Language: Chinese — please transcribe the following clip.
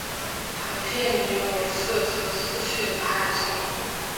常见于五至十四岁孩童。